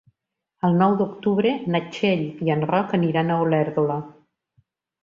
El nou d'octubre na Txell i en Roc aniran a Olèrdola.